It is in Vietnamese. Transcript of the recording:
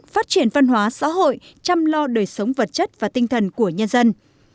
phát triển văn hóa xã hội chăm lo đời sống vật chất và tinh thần của nhân dân